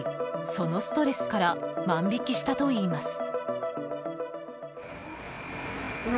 そのストレスから万引きしたといいます。